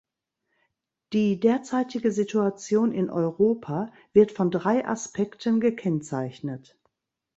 Die derzeitige Situation in Europa wird von drei Aspekten gekennzeichnet.